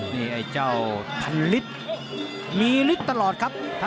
นี่ไอ้เจ้าทันลิตมีลิตตลอดครับ